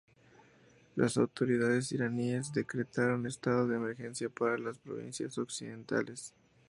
Las autoridades iraníes decretaron estado de emergencia para las provincias occidentales.